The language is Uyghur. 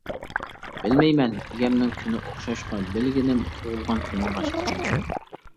بىلمەيمەن ئىگەمنىڭ كۈنى ئوخشاشقۇ، بىلگىنىم تۇغۇلغان كۈنۈڭ باشقىچە.